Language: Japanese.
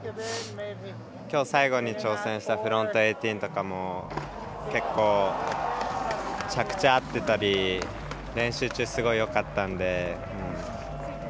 きょう最後に挑戦したフロント１８００とかも結構、着地合ってたり練習中、すごいよかったんで。